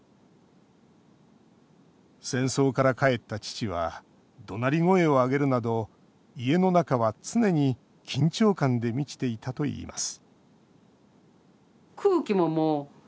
戦争から帰った父はどなり声を上げるなど家の中は常に緊張感で満ちていたといいます